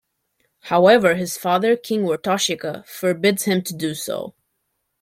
However, his father, King Wortoshika, forbids him to do so.